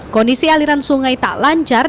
kondisi aliran sungai tak lancar